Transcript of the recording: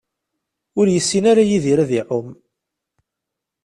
Ur yessin ara Yidir ad iɛumm.